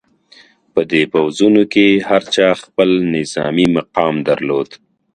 په دې پوځونو کې هر چا خپل نظامي مقام درلود.